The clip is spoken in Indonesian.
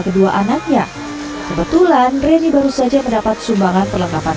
kedua anaknya kebetulan reni baru saja mendapat sumbangan perlengkapan